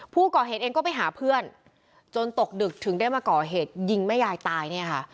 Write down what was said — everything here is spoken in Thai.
ผู้ก่อเหตุเองก็ไปหาเพื่อนจนตกดึกถึงได้มาก่อเหตุยิงแม่ยายตายเนี่ยค่ะ